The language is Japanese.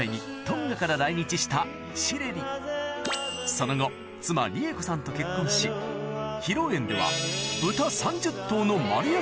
その後妻理恵子さんと結婚しかわいい。